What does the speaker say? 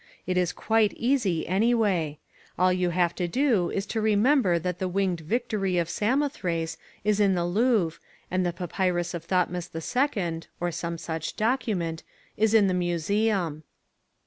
It is quite easy any way. All you have to do is to remember that The Winged Victory of Samothrace is in the Louvre and the papyrus of Thotmes II (or some such document) is in the Museum.